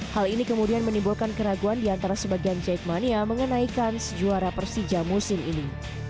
hal ini kemudian menimbulkan keraguan diantara sebagian jekmania mengenaikan sejuara persija musim ini